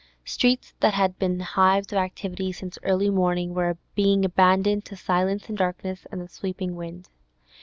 Streets that had been hives of activity since early morning were being abandoned to silence and darkness and the sweeping wind.